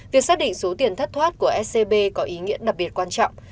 việc xác định số tiền thất thoát của scb có ý nghĩa đặc biệt quan trọng